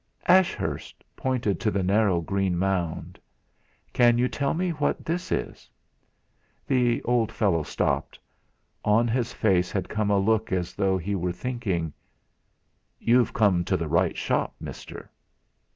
Ashurst pointed to the narrow green mound. "Can you tell me what this is?" The old fellow stopped; on his face had come a look as though he were thinking: 'You've come to the right shop, mister!'